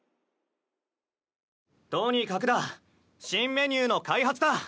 とにかくだ新メニューの開発だ！